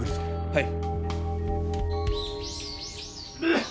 はい。